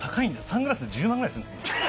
サングラスで１０万円くらいするんです。